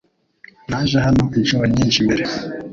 Naje hano inshuro nyinshi mbere .